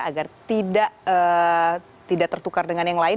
agar tidak tertukar dengan yang lain